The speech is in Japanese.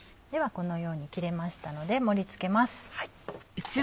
このように切れましたので盛り付けます。